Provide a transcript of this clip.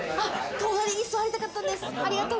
隣に座りたかったんです。